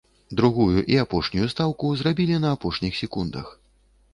Другую і апошнюю стаўку зрабілі на апошніх секундах.